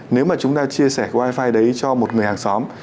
nếu mà chúng ta chia sẻ wifi đấy cho một người hàng xóm